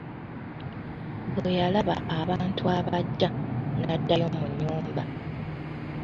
Bwe yalaba abantu abajja n'addayo mu nyumba.